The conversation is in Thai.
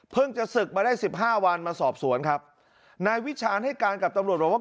จะศึกมาได้สิบห้าวันมาสอบสวนครับนายวิชาณให้การกับตำรวจบอกว่า